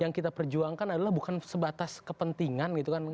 yang kita perjuangkan adalah bukan sebatas kepentingan gitu kan